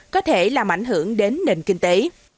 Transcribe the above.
có thể làm ảnh hưởng đến nền kinh tế